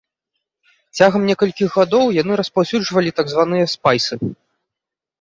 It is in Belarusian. Цягам некалькіх гадоў яны распаўсюджвалі так званыя спайсы.